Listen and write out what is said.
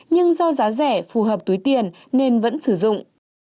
nhưng do giá rẻ phù hợp túi tiền nên vẫn sử dụng